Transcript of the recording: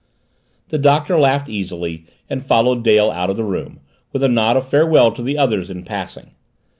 The Doctor laughed easily and followed Dale out of the room, with a nod of farewell to the others in passing.